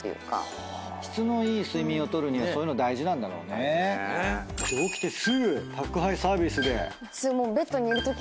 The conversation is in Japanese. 質のいい睡眠を取るにはそういうの大事なんだろうね。で起きてすぐ宅配サービスで。